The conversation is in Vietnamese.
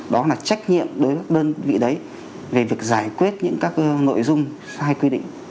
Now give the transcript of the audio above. đó là trách nhiệm đối với các đơn vị đấy về việc giải quyết những các nội dung sai quy định